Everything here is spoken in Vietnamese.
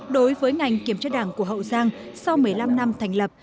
đối với ngành kiểm tra đảng của hậu giang sau một mươi năm năm thành lập